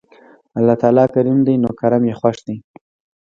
الله تعالی کريم دی نو کرَم ئي خوښ دی